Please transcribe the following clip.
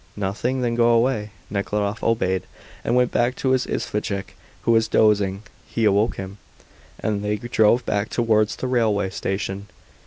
"Nothing? Then go away." Nekhludoff obeyed, and went back to his isvostchik, who was dozing. He awoke him, and they drove back towards the railway station.